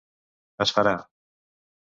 Es farà!